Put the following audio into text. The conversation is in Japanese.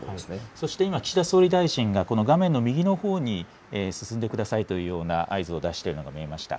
そして今、岸田総理大臣がこの画面の右のほうに進んでくださいというような合図を出しているのが見えました。